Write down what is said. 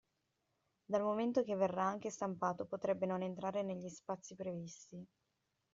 Dal momento che verrà anche stampato potrebbe non entrare negli spazi previsti.